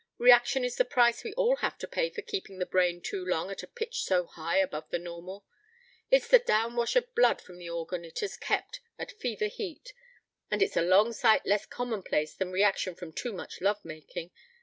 Reaction is the price we all have to pay for keeping the brain too long at a pitch so high above the normal. It's the downwash of blood from the organ it has kept at fever heat. And it's a long sight less commonplace than reaction from too much love making.